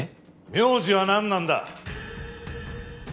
名字はなんなんだ！？